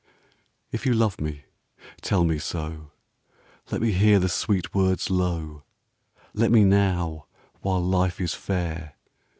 If you love me, tell me so. Let me hear the sweet words low ; 38 TELL ME SO. Let me now, while life is fair.